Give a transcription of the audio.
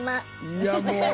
いやもう。